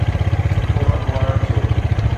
سٺو اڳواڻ ٿيو.